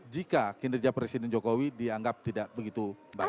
jika kinerja presiden jokowi dianggap tidak begitu baik